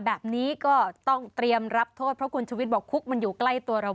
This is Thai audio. แบบนี้ก็ต้องเตรียมรับโทษเพราะคุณชุวิตบอกคุกมันอยู่ใกล้ตัวเรา